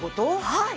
はい。